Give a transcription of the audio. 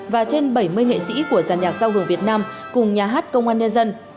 và trên bảy mươi nghệ sĩ của giàn nhạc giao hưởng việt nam cùng nhà hát công an nhân dân